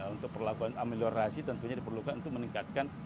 untuk melakukan ameliorasi tentunya diperlukan untuk meningkatkan